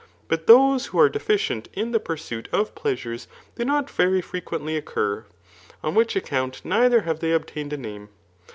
But those who are deficient in the pursuit of pleasures do not very frequently occur j on which account neither have they obtained a name.